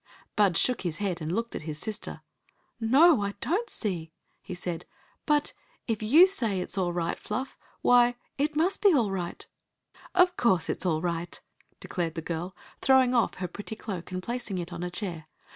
Bud shook his head and looked at his sister. "No, I don't see," he said. " But if you say it *s all right, Fluff, why, it must be all right" "Of course it 's all right," declared the girl, throw ing off her .pretty cbak and placing it on a chair.